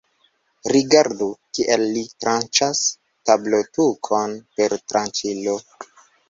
Rigardu, kiel li tranĉas tablotukon per tranĉilo!